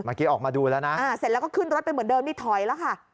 ออกมาดูแล้วนะอ่าเสร็จแล้วก็ขึ้นรถไปเหมือนเดิมนี่ถอยแล้วค่ะ